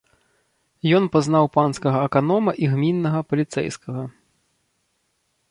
Ён пазнаў панскага аканома і гміннага паліцэйскага.